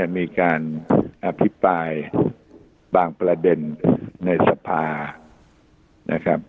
มีการอธิบายบางประเด็นในสภา